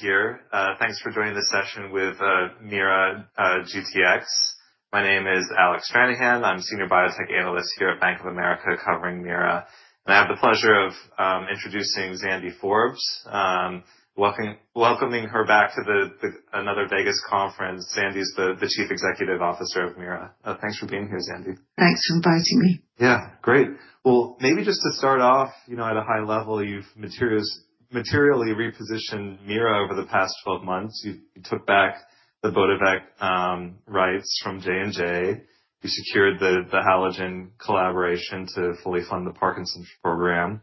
Here. thanks for joining this session with, MeiraGTx. My name is Alec Stranahan. I'm Senior Biotech Analyst here at Bank of America, covering Meira. I have the pleasure of introducing Alexandria Forbes. welcoming her back to another Vegas conference. Alexandria Forbes is the Chief Executive Officer of MeiraGTx. thanks for being here, Alexandria Forbes. Thanks for inviting me. Yeah, great. Well, maybe just to start off, you know, at a high level, you've materially repositioned MeiraGTx over the past 12 months. You took back the bota-vec rights from J&J. You secured the Hologen collaboration to fully fund the Parkinson's program.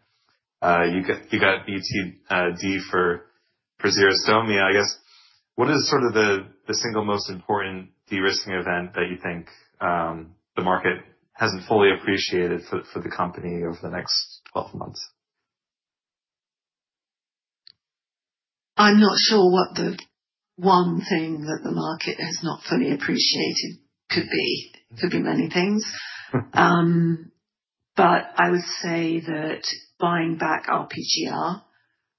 You got BTD for xerostomia. I guess, what is sort of the single most important de-risking event that you think the market hasn't fully appreciated for the company over the next 12 months? I'm not sure what the one thing that the market has not fully appreciated could be. Could be many things. I would say that buying back RPGR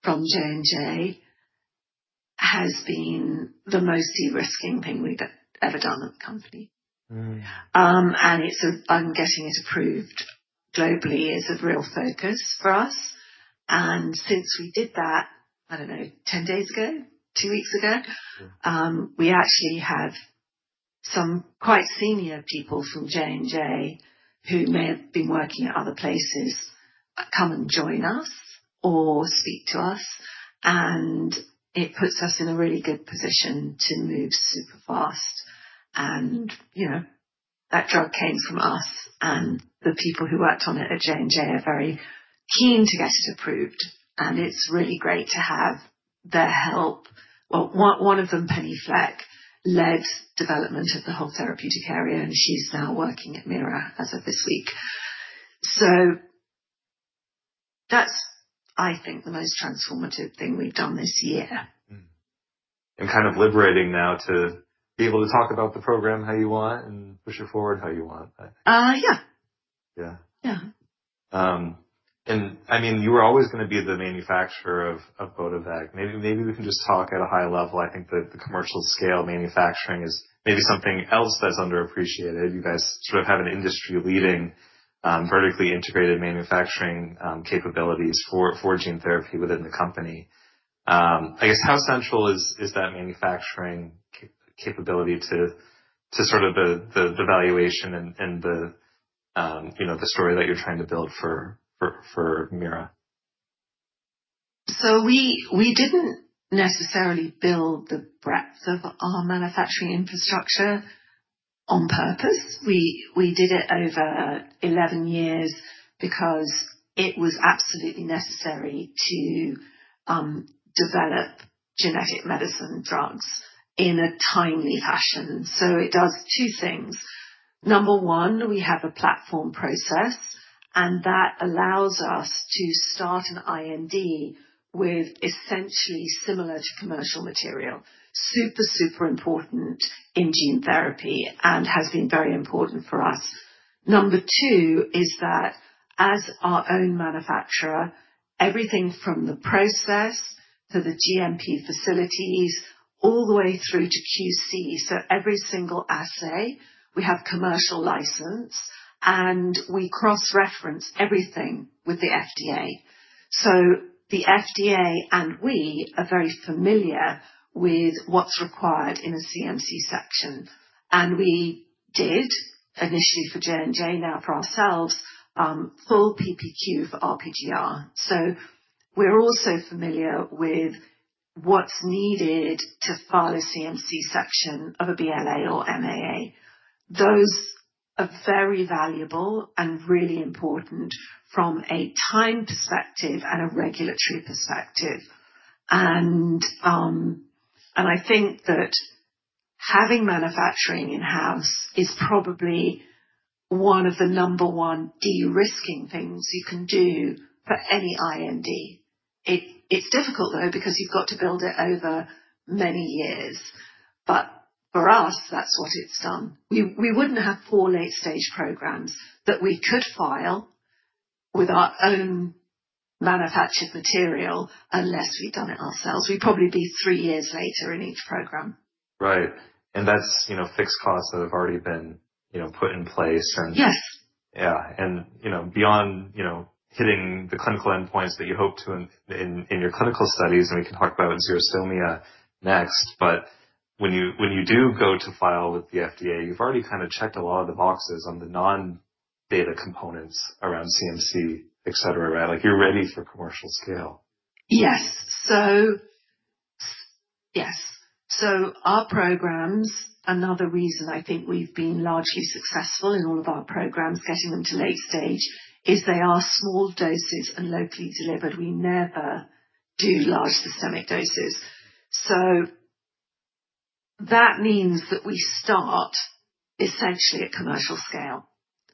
from J&J has been the most de-risking thing we've ever done at the company. Getting it approved globally is a real focus for us. Since we did that, I don't know, 10 days ago, two weeks ago. Sure. We actually have some quite senior people from J&J who may have been working at other places, come and join us or speak to us, and it puts us in a really good position to move super fast. You know, that drug came from us, and the people who worked on it at J&J are very keen to get it approved, and it's really great to have their help. One of them, Penny Fleck, led development of the whole therapeutic area, and she's now working at MeiraGTx as of this week. That's, I think, the most transformative thing we've done this year. Kind of liberating now to be able to talk about the program how you want and push it forward how you want. Yeah. Yeah. Yeah. I mean, you were always gonna be the manufacturer of bota-vec. Maybe we can just talk at a high level. I think the commercial scale manufacturing is maybe something else that's underappreciated. You guys sort of have an industry-leading, vertically integrated manufacturing capabilities for gene therapy within the company. I guess, how central is that manufacturing capability to sort of the valuation and the, you know, the story that you're trying to build for MeiraGTx? We didn't necessarily build the breadth of our manufacturing infrastructure on purpose. We did it over 11 years because it was absolutely necessary to develop genetic medicine drugs in a timely fashion. It does two things. Number 1, we have a platform process, and that allows us to start an IND with essentially similar to commercial material. Super important in gene therapy and has been very important for us. Number 2 is that as our own manufacturer, everything from the process to the GMP facilities all the way through to QC, so every single assay, we have commercial license, and we cross-reference everything with the FDA. The FDA and we are very familiar with what's required in a CMC section. We did initially for J&J, now for ourselves, full PPQ for RPGR. We're also familiar with what's needed to file a CMC section of a BLA or MAA. Those are very valuable and really important from a time perspective and a regulatory perspective. I think that having manufacturing in-house is probably one of the number one de-risking things you can do for any IND. It's difficult, though, because you've got to build it over many years. For us, that's what it's done. We wouldn't have four late-stage programs that we could file with our own manufactured material unless we'd done it ourselves. We'd probably be three years later in each program. Right. That's, you know, fixed costs that have already been, you know, put in place. Yes. Yeah. You know, beyond, you know, hitting the clinical endpoints that you hope to in your clinical studies, and we can talk about xerostomia next, but when you do go to file with the FDA, you've already kinda checked a lot of the boxes on the non-data components around CMC, et cetera, right? Like, you're ready for commercial scale. Yes. Yes. Our programs, another reason I think we've been largely successful in all of our programs, getting them to late stage, is they are small doses and locally delivered. We never do large systemic doses. That means that we start essentially at commercial scale.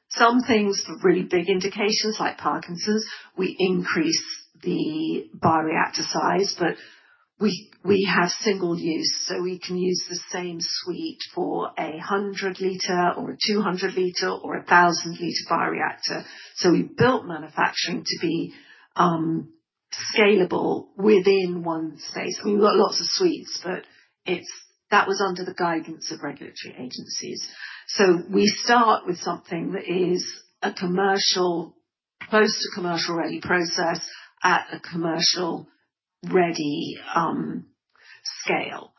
Some things for really big indications like Parkinson's, we increase the bioreactor size, but we have single use, so we can use the same suite for a 100 liter or a 200 liter or a 1,000 liter bioreactor. We built manufacturing to be scalable within one space. I mean, we've got lots of suites, but it's that was under the guidance of regulatory agencies. We start with something that is a commercial, close to commercial-ready process at a commercial-ready scale.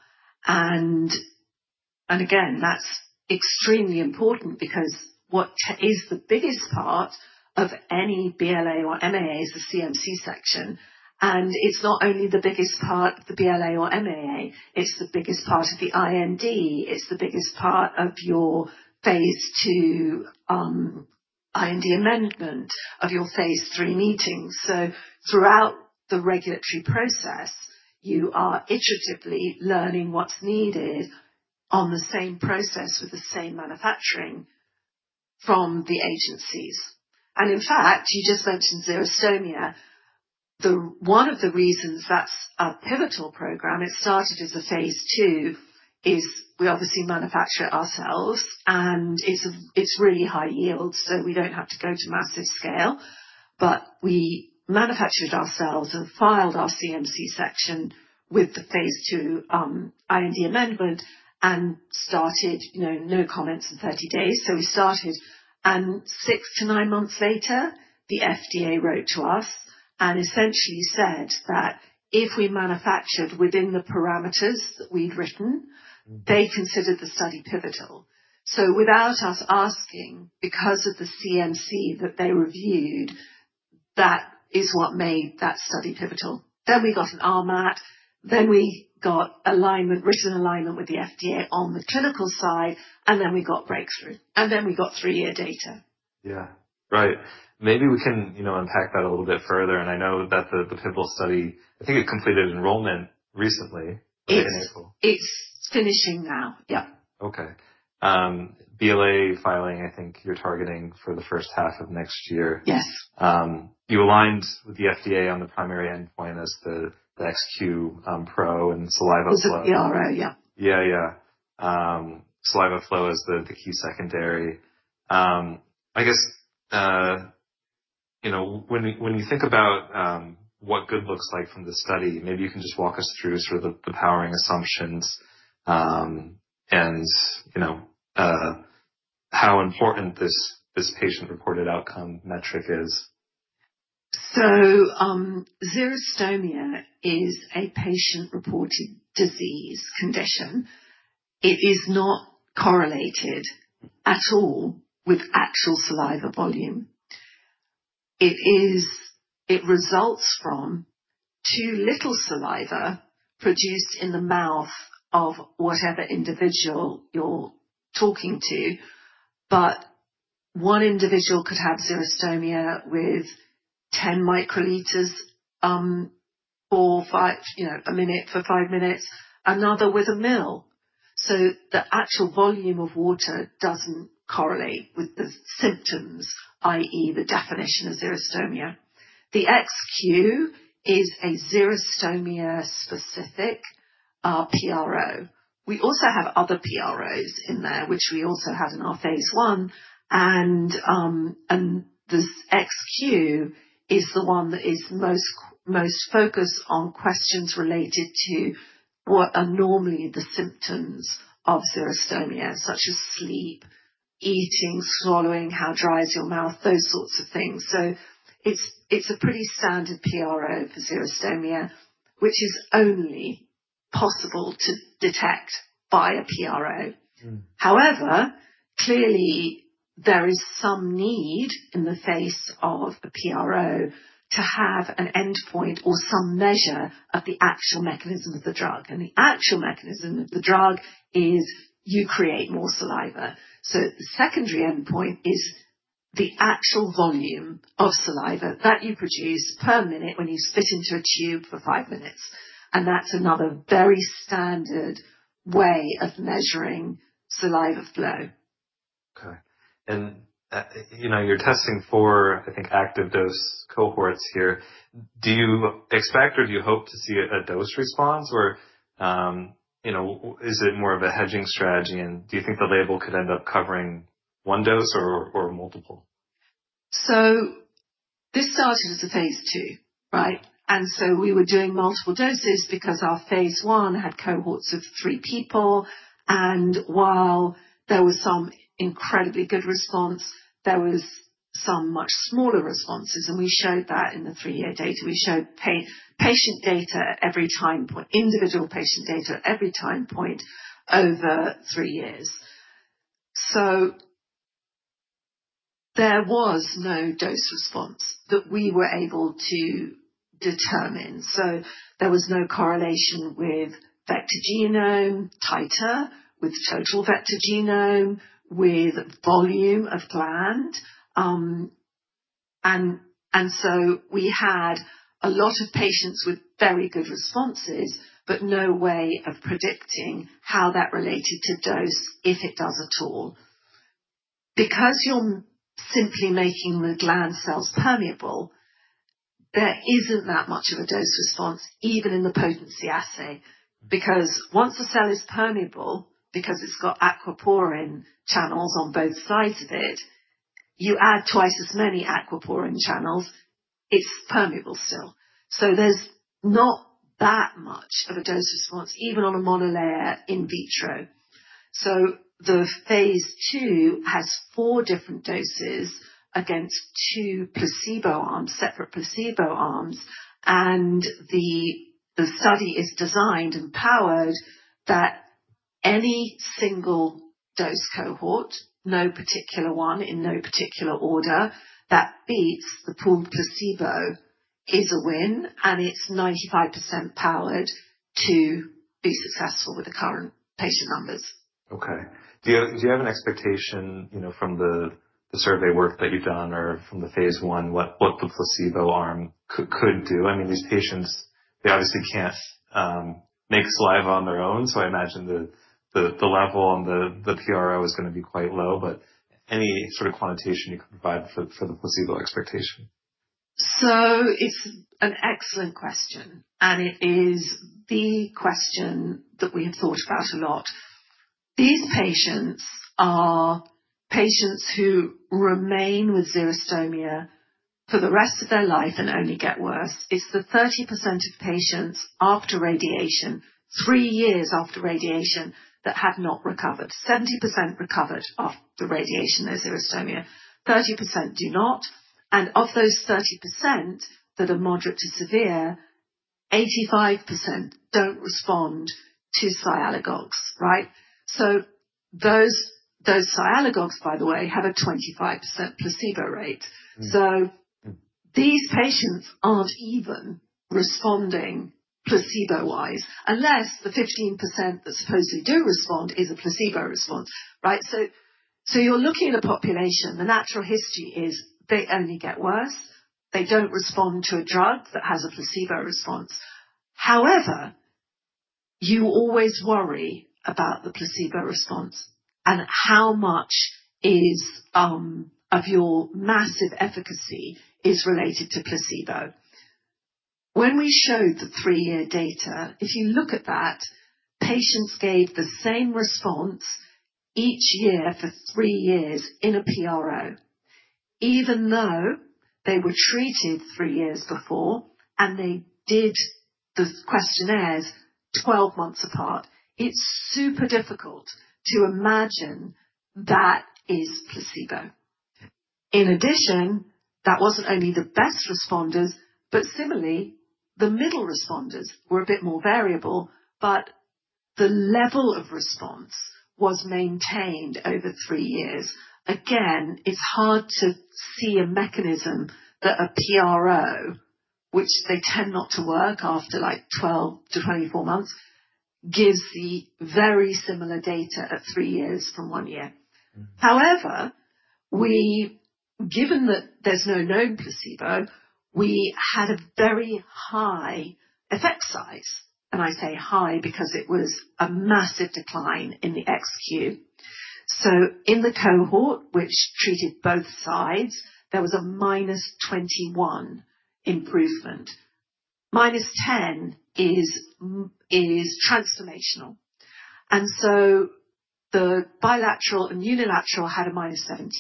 Again, that's extremely important because what is the biggest part of any BLA or MAA is the CMC section. It's not only the biggest part of the BLA or MAA, it's the biggest part of the IND, it's the biggest part of your phase II IND amendment, of your phase III meetings. Throughout the regulatory process, you are iteratively learning what's needed on the same process with the same manufacturing from the agencies. In fact, you just mentioned xerostomia. One of the reasons that's a pivotal program, it started as a phase II, is we obviously manufacture it ourselves, and it's really high yield, we don't have to go to massive scale. We manufactured ourselves and filed our CMC section with the phase II IND amendment and started, you know, no comments in 30 days. We started, and six to nine months later, the FDA wrote to us and essentially said that if we manufactured within the parameters that we'd written, they considered the study pivotal. Without us asking, because of the CMC that they reviewed, that is what made that study pivotal. We got an RMAT, then we got alignment, written alignment with the FDA on the clinical side, and then we got Breakthrough, and then we got three-year data. Yeah. Right. Maybe we can, you know, unpack that a little bit further. I know that the pivotal study, I think it completed enrollment recently. It's finishing now. Yep. Okay. BLA filing, I think you're targeting for the first half of next year. Yes. You aligned with the FDA on the primary endpoint as the XQ, PRO and saliva flow. The PRO, yeah. Yeah. Saliva flow is the key secondary. I guess, you know, when you think about what good looks like from the study, maybe you can just walk us through sort of the powering assumptions, and you know, how important this patient-reported outcome metric is? Xerostomia is a patient-reported disease condition. It is not correlated at all with actual saliva volume. It results from too little saliva produced in the mouth of whatever individual you're talking to. one individual could have xerostomia with 10 microliters, four, five, you know, a minute for five minutes, another with a mil. The actual volume of water doesn't correlate with the symptoms, i.e., the definition of xerostomia. The XQ is a xerostomia-specific, PRO. We also have other PROs in there, which we also had in our phase I, and this XQ is the one that is most focused on questions related to what are normally the symptoms of xerostomia, such as sleep, eating, swallowing, how dry is your mouth, those sorts of things. it's a pretty standard PRO for xerostomia, which is only possible to detect by a PRO. However, clearly, there is some need in the face of a PRO to have an endpoint or some measure of the actual mechanism of the drug. The actual mechanism of the drug is you create more saliva. The secondary endpoint is the actual volume of saliva that you produce per minute when you spit into a tube for five minutes. That's another very standard way of measuring saliva flow. Okay. You know, you're testing for, I think, active dose cohorts here. Do you expect or do you hope to see a dose response or, you know, is it more of a hedging strategy, and do you think the label could end up covering one dose or multiple? This started as a phase II, right? We were doing multiple doses because our phase I had cohorts of three people, and while there was some incredibly good response, there was some much smaller responses, and we showed that in the three-year data. We showed patient data at every time point, individual patient data at every time point over three years. There was no dose response that we were able to determine. There was no correlation with vector genome titer, with total vector genome, with volume of gland. We had a lot of patients with very good responses, but no way of predicting how that related to dose, if it does at all. Because you're simply making the gland cells permeable, there isn't that much of a dose response, even in the potency assay, because once a cell is permeable, because it's got aquaporin channels on both sides of it. You add twice as many aquaporin channels, it's permeable still. There's not that much of a dose response even on a monolayer in vitro. The phase II has four different doses against two placebo arms, separate placebo arms. The study is designed and powered that any single dose cohort, no particular one in no particular order that beats the pooled placebo is a win, and it's 95% powered to be successful with the current patient numbers. Okay. Do you have an expectation, you know, from the survey work that you've done or from the phase I, what the placebo arm could do? I mean, these patients, they obviously can't make saliva on their own. I imagine the level on the PRO is gonna be quite low, but any sort of quantitation you could provide for the placebo expectation. It's an excellent question, and it is the question that we have thought about a lot. These patients are patients who remain with xerostomia for the rest of their life and only get worse. It's the 30% of patients after radiation, three years after radiation that have not recovered. 70% recovered after radiation, their xerostomia. 30% do not. Of those 30% that are moderate to severe, 85% don't respond to sialogogues, right? Those sialogogues, by the way, have a 25% placebo rate. These patients aren't even responding placebo-wise, unless the 15% that supposedly do respond is a placebo response, right? you're looking at a population, the natural history is they only get worse. They don't respond to a drug that has a placebo response. However, you always worry about the placebo response and how much is of your massive efficacy is related to placebo. When we showed the three-year data, if you look at that, patients gave the same response each year for three years in a PRO, even though they were treated three years before and they did the questionnaires 12 months apart. It's super difficult to imagine that is placebo. In addition, that wasn't only the best responders, but similarly, the middle responders were a bit more variable, but the level of response was maintained over three years. Again, it's hard to see a mechanism that a PRO, which they tend not to work after like 12 to 24 months, gives the very similar data at three years from one year. Given that there's no known placebo, we had a very high effect size, and I say high because it was a massive decline in the XQ. In the cohort, which treated both sides, there was a -21 improvement. -10 is transformational. The bilateral and unilateral had a -17.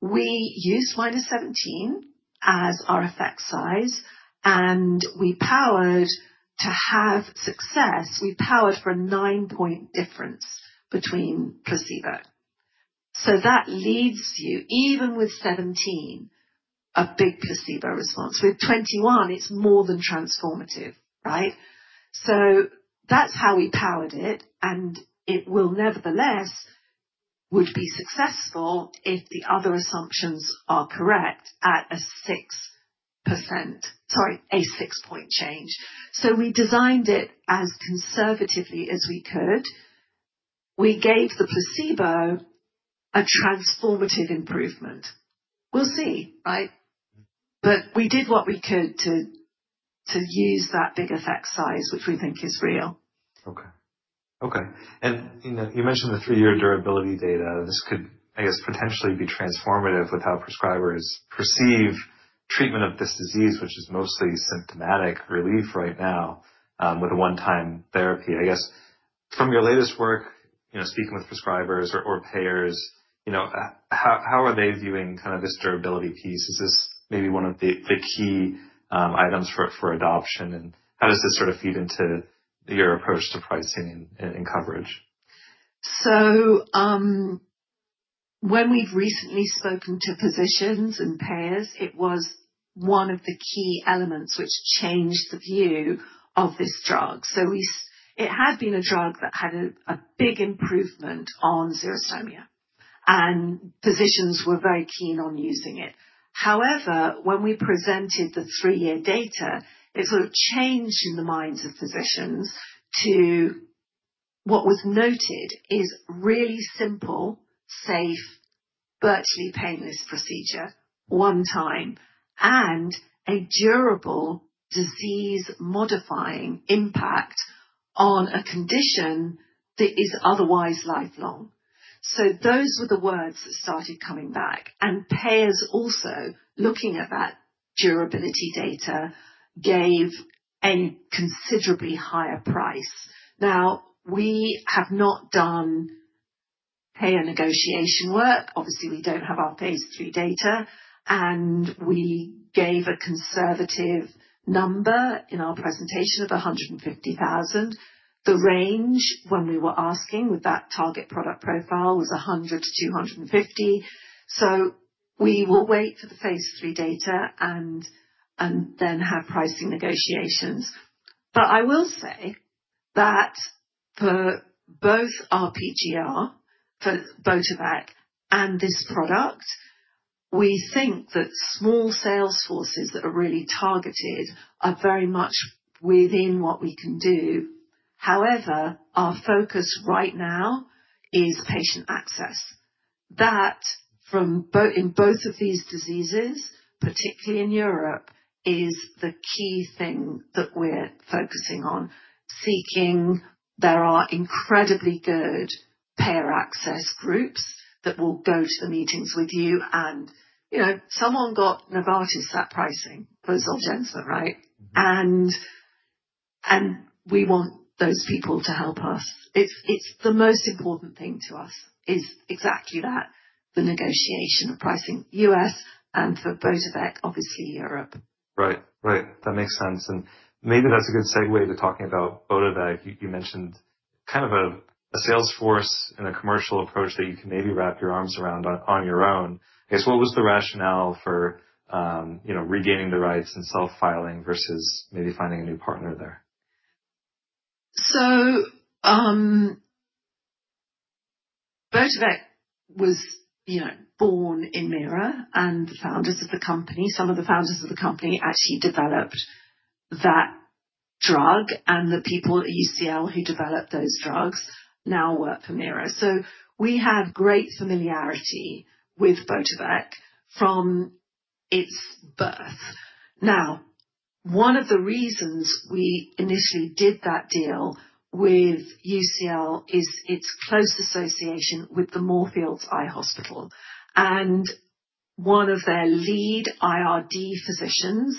We used -17 as our effect size, and we powered to have success. We powered for a nine-point difference between placebo. That leaves you, even with 17, a big placebo response. With 21, it's more than transformative, right? That's how we powered it, and it will nevertheless would be successful if the other assumptions are correct at a six-point change. We designed it as conservatively as we could. We gave the placebo a transformative improvement. We'll see, right? We did what we could to use that big effect size, which we think is real. Okay. Okay. You know, you mentioned the three-year durability data. This could, I guess, potentially be transformative with how prescribers perceive treatment of this disease, which is mostly symptomatic relief right now, with a one-time therapy. I guess from your latest work, you know, speaking with prescribers or payers, you know, how are they viewing kind of this durability piece? Is this maybe one of the key items for adoption? How does this sort of feed into your approach to pricing and coverage? When we've recently spoken to physicians and payers, it was one of the key elements which changed the view of this drug. It had been a drug that had a big improvement on xerostomia, and physicians were very keen on using it. However, when we presented the three-year data, it sort of changed in the minds of physicians to what was noted is really simple, safe, virtually painless procedure, one time and a durable disease-modifying impact on a condition that is otherwise lifelong. Those were the words that started coming back and payers also looking at that data. Durability data gave a considerably higher price. Now, we have not done payer negotiation work. Obviously, we don't have our phase III data, and we gave a conservative number in our presentation of $150,000. The range when we were asking with that target product profile was 100 to 250. We will wait for the phase III data and then have pricing negotiations. I will say that for both RPGR, for bota-vec and this product, we think that small sales forces that are really targeted are very much within what we can do. However, our focus right now is patient access. That from both in both of these diseases, particularly in Europe, is the key thing that we're focusing on seeking. There are incredibly good payer access groups that will go to the meetings with you and, you know, someone at Novartis got that pricing for Zolgensma, right? We want those people to help us. It's the most important thing to us is exactly that, the negotiation of pricing US and for bota-vec, obviously Europe. Right. Right. That makes sense. Maybe that's a good segue to talking about bota-vec. You mentioned kind of a sales force and a commercial approach that you can maybe wrap your arms around on your own. I guess, what was the rationale for, you know, regaining the rights and self-filing versus maybe finding a new partner there? Bota-vec was, you know, born in MeiraGTx and the founders of the company, some of the founders of the company actually developed that drug, and the people at UCL who developed those drugs now work for MeiraGTx. We have great familiarity with bota-vec from its birth. One of the reasons we initially did that deal with UCL is its close association with Moorfields Eye Hospital. One of their lead IRD physicians,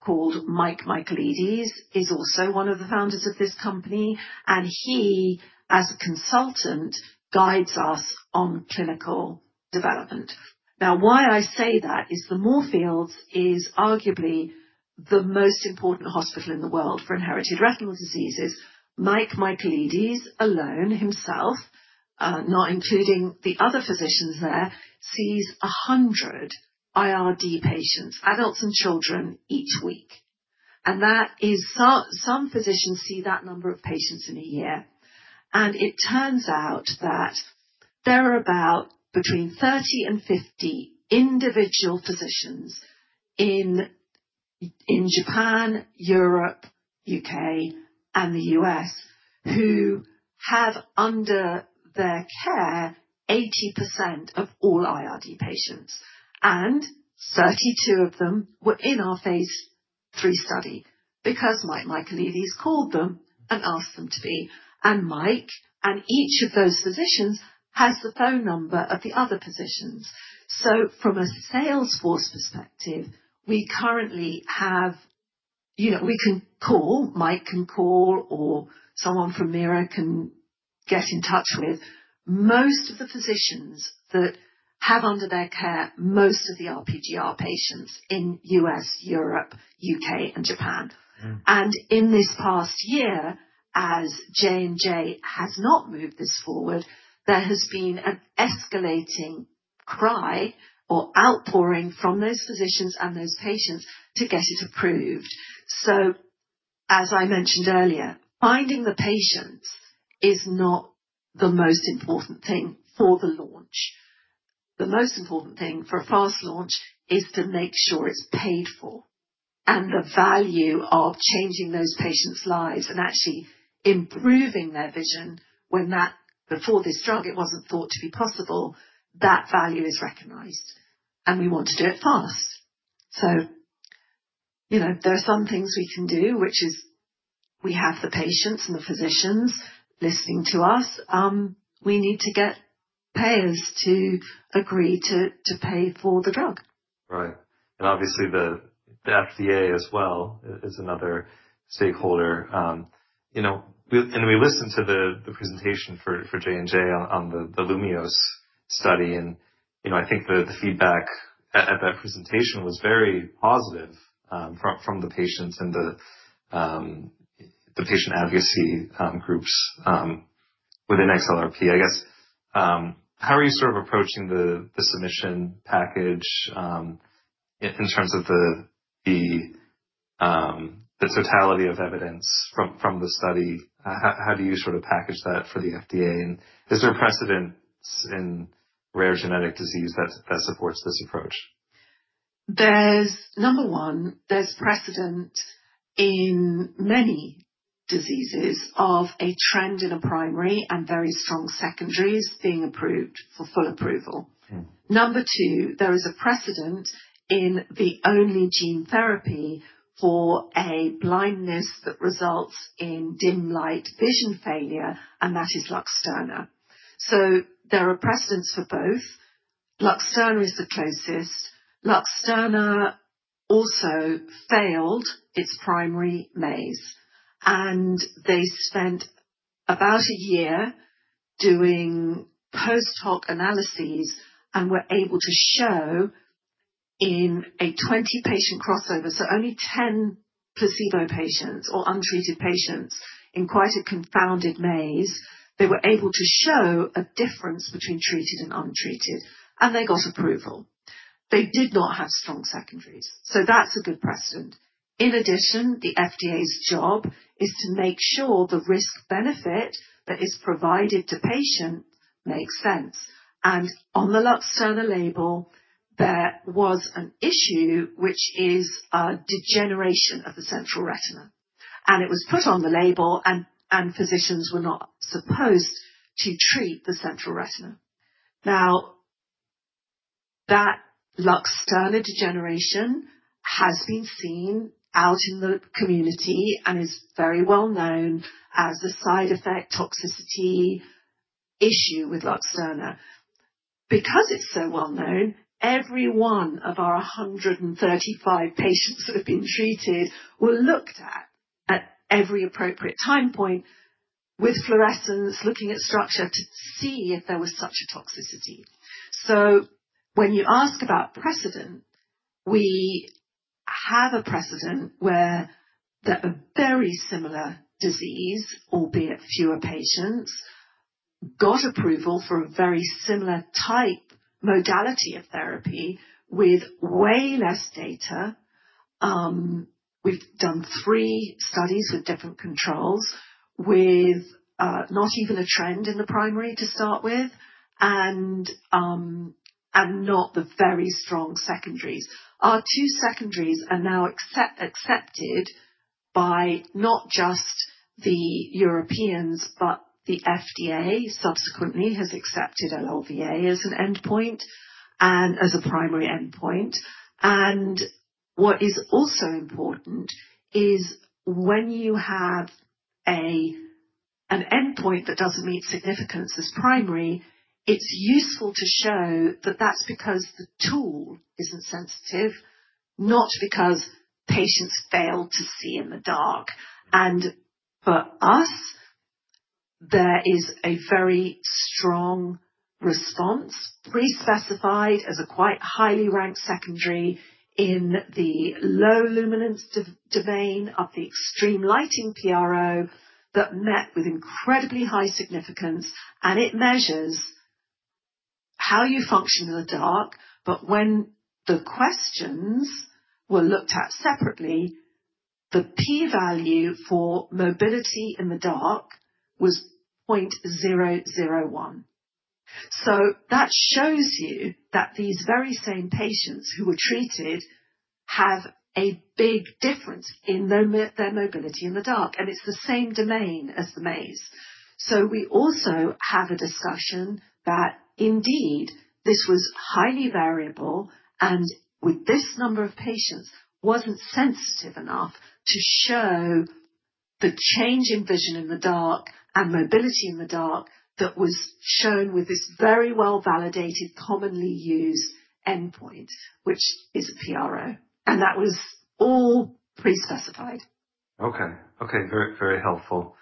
called Michel Michaelides, is also one of the founders of this company, and he, as a consultant, guides us on clinical development. Why I say that is Moorfields is arguably the most important hospital in the world for inherited retinal diseases. Michel Michaelides alone himself, not including the other physicians there, sees 100 IRD patients, adults and children, each week. That is so some physicians see that number of patients in a year. It turns out that there are about between 30 and 50 individual physicians in Japan, Europe, U.K., and the U.S. who have under their care 80% of all IRD patients, and 32 of them were in our phase III study because Michel Michaelides called them and asked them to be. Michel and each of those physicians has the phone number of the other physicians. From a sales force perspective, we currently have, you know, we can call, Michel can call, or someone from Meira can get in touch with most of the physicians that have under their care most of the RPGR patients in U.S., Europe, U.K. and Japan. In this past year, as J&J has not moved this forward, there has been an escalating cry or outpouring from those physicians and those patients to get it approved. As I mentioned earlier, finding the patients is not the most important thing for the launch. The most important thing for a fast launch is to make sure it's paid for and the value of changing those patients' lives and actually improving their vision when that, before this drug, it wasn't thought to be possible, that value is recognized, and we want to do it fast. You know, there are some things we can do which is we have the patients and the physicians listening to us. We need to get payers to agree to pay for the drug. Right. Obviously, the FDA as well is another stakeholder. You know, we listened to the presentation for J&J on the LUMEOS study and, you know, I think the feedback at that presentation was very positive from the patients and the patient advocacy groups within XLRP. I guess, how are you sort of approaching the submission package in terms of the totality of evidence from the study? How do you sort of package that for the FDA? Is there precedents in rare genetic disease that supports this approach? There's number 1, there's precedent in many diseases of a trend in a primary and very strong secondaries being approved for full approval. Number 2, there is a precedent in the only gene therapy for a blindness that results in dim light vision failure, and that is Luxturna. There are precedents for both. Luxturna is the closest. Luxturna also failed its primary maze, and they spent about a year doing post-hoc analyses and were able to show in a 20-patient crossover, so only 10 placebo patients or untreated patients in quite a confounded maze. They were able to show a difference between treated and untreated, and they got approval. They did not have strong secondaries, so that's a good precedent. In addition, the FDA's job is to make sure the risk-benefit that is provided to patients makes sense. on the Luxturna label, there was an issue which is, degeneration of the central retina, and it was put on the label, and physicians were not supposed to treat the central retina. Now that LUXTURNA degeneration has been seen out in the community and is very well known as a side effect toxicity issue with LUXTURNA. Because it's so well known, every one of our 135 patients that have been treated were looked at at every appropriate time point with fluorescence, looking at structure to see if there was such a toxicity. When you ask about precedent, we have a precedent where a very similar disease, albeit fewer patients, got approval for a very similar type modality of therapy with way less data. We've done three studies with different controls, with not even a trend in the primary to start with, and not the very strong secondaries. Our two secondaries are now accepted by not just the Europeans, but the FDA subsequently has accepted LLVA as an endpoint and as a primary endpoint. What is also important is when you have an endpoint that doesn't meet significance as primary, it's useful to show that that's because the tool isn't sensitive, not because patients fail to see in the dark. For us, there is a very strong response, pre-specified as a quite highly ranked secondary in the low luminance domain of the extreme lighting PRO that met with incredibly high significance, and it measures how you function in the dark. When the questions were looked at separately, the P value for mobility in the dark was 0.001. That shows you that these very same patients who were treated have a big difference in their mobility in the dark, and it's the same domain as the maze. We also have a discussion that indeed this was highly variable and with this number of patients, wasn't sensitive enough to show the change in vision in the dark and mobility in the dark that was shown with this very well-validated, commonly used endpoint, which is a PRO, and that was all pre-specified. Okay. Okay, very, very helpful.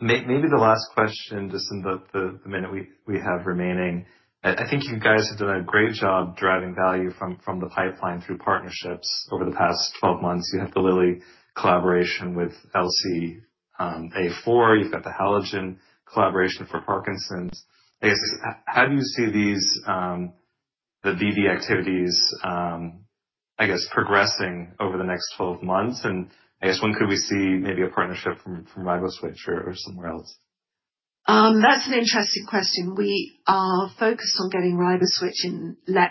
Maybe the last question, just in the minute we have remaining. I think you guys have done a great job driving value from the pipeline through partnerships over the past 12 months. You have the Lilly collaboration with LCA4. You've got the Hologen collaboration for Parkinson's. I guess how do you see these the BD activities I guess progressing over the next 12 months? I guess when could we see maybe a partnership from Riboswitch or somewhere else? That's an interesting question. We are focused on getting Riboswitch enabled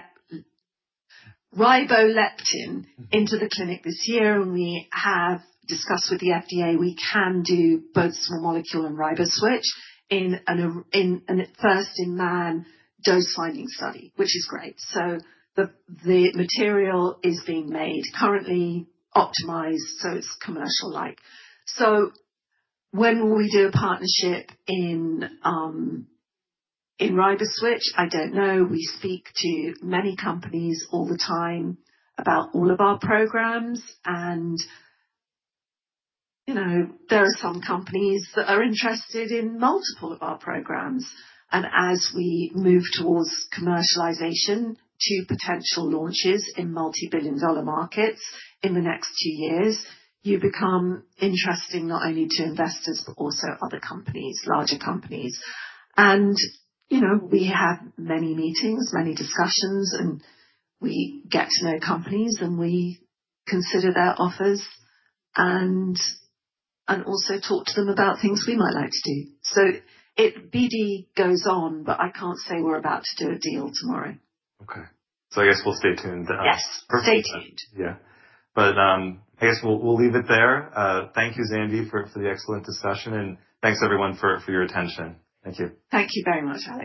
Ribo-Leptin into the clinic this year, and we have discussed with the FDA we can do both small molecule and Riboswitch in a first-in-man dose-finding study, which is great. The material is being made currently optimized, so it's commercial-like. When will we do a partnership in Riboswitch? I don't know. We speak to many companies all the time about all of our programs and, you know, there are some companies that are interested in multiple of our programs. As we move towards commercialization to potential launches in multi-billion-dollar markets in the next two years, you become interesting not only to investors but also other companies, larger companies. You know, we have many meetings, many discussions, and we get to know companies and we consider their offers and also talk to them about things we might like to do. BD goes on, but I can't say we're about to do a deal tomorrow. Okay. I guess we'll stay tuned. Yes. Stay tuned. Yeah. I guess we'll leave it there. Thank you, Alexandria Forbes, for the excellent discussion and thanks everyone for your attention. Thank you. Thank you very much, Alec.